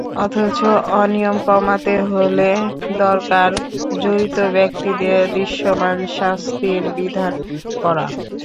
অথচ অনিয়ম কমাতে হলে দরকার জড়িত ব্যক্তিদের দৃশ্যমান শাস্তির বিধান করা।